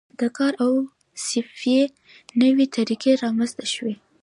د کار او تصفیې نوې طریقې رامنځته شوې.